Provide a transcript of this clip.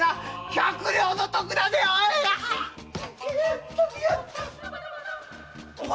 “百両の得”だぜ‼お春。